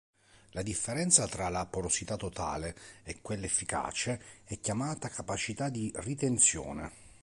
La differenza tra la porosità totale e quella efficace è chiamata capacità di ritenzione.